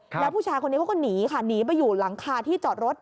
แล้วผู้ชายคนนี้เขาก็หนีค่ะหนีไปอยู่หลังคาที่จอดรถ